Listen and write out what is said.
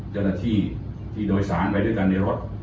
เจ้าหน้าที่ที่โดยสารไปด้วยกันในรถ